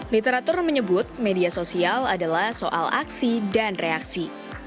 literatur menyebut media sosial adalah soal aksi dan reaksi